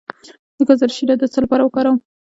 د ګازرې شیره د څه لپاره وکاروم؟